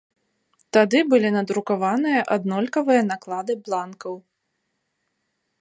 Тады былі надрукаваныя аднолькавыя наклады бланкаў.